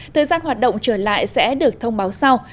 thời gian hoạt động trở lại sẽ được thông báo sau